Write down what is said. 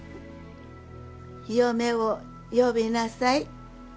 嫁を呼びなさい。